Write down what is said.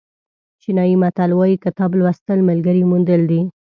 چینایي متل وایي کتاب لوستل ملګري موندل دي.